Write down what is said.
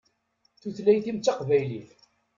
Tutlayt-im d taqbaylit.